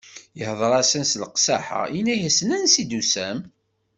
Ihdeṛ-asen s leqsaḥa, inna-asen: Ansi i d-tusam?